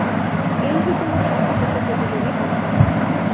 এই হিটে মোট সাতটি দেশের প্রতিযোগী অংশ নেয়।